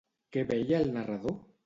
Què veia el narrador?